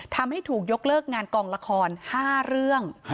ทำให้ถูกยกเลิกงานกองละคร๕เรื่อง